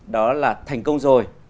đó là thành công rồi